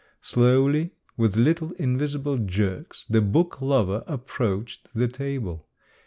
Slowly, with little invisible jerks, the book lover approached the table.